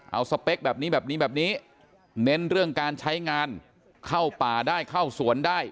เอาสเปคแบบนี้แบบนี้แบบนี้เน้นเรื่องการใช้งานเข้าป่าได้เข้าสวนได้